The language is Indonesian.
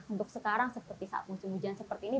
untuk sekarang seperti saat musim hujan seperti ini